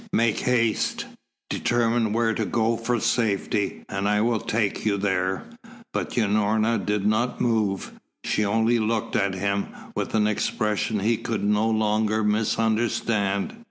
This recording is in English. Make haste. Determine where to go for safety, and I will take you there." But Unorna did not move. She only looked at him, with an expression he could no longer misunderstand.